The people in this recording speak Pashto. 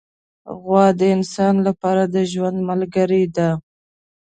غوا د انسان لپاره د ژوند ملګرې ده.